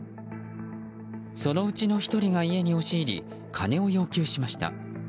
そのうちの１人が家に押し入り金を要求しました。